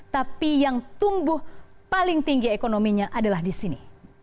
tapi yang tumbuh paling tinggi ekonominya adalah di sini